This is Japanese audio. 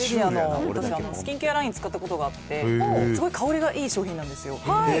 スキンケアライン、使ったことがあって、すごい香りがいい商品なんですよ。